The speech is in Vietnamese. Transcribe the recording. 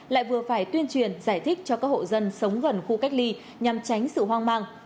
lại vừa phải tuyên truyền giải thích cho các hộ dân sống gần khu cách ly nhằm tránh sự hoang mang